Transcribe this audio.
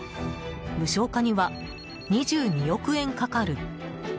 無償化には２２億円かかる。